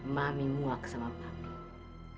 mami muak sama mami